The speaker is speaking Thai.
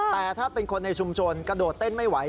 แต่ถ้าเป็นคนในชุมชนกระโดดเต้นไม่ไหว